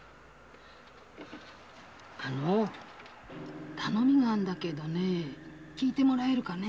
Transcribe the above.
あの頼みがあるんだけど聞いてもらえるかね？